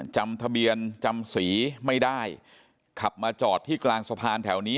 จำทะเบียนจำสีไม่ได้ขับมาจอดที่กลางสะพานแถวนี้